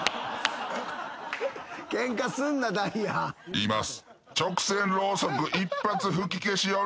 言います。